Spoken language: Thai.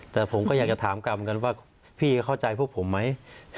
แต่ผมก็อยากจะถามกรรมกันว่าพี่เข้าใจพวกผมไหม